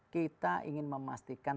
kita ingin memastikan